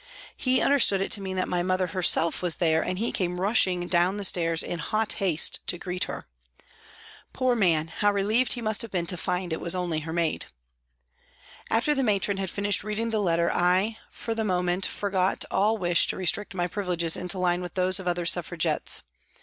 He understood it to mean that mother herself was there, and he came rushing down the stairs in hot haste to greet her ! Poor man, how relieved he must have been to find it was only her maid ! After the Matron had finished reading the letter I, for the moment, forgot all wish to restrict my privi leges into line with those of other Suffragettes.